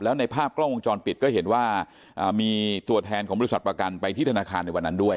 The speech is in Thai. แล้วในภาพกล้องวงจรปิดก็เห็นว่ามีตัวแทนของบริษัทประกันไปที่ธนาคารในวันนั้นด้วย